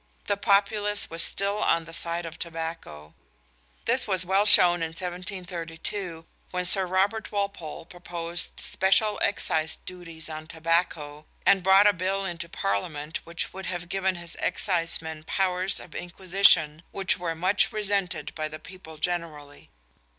The populace was still on the side of tobacco. This was well shown in 1732 when Sir Robert Walpole proposed special excise duties on tobacco, and brought a Bill into Parliament which would have given his excisemen powers of inquisition which were much resented by the people generally.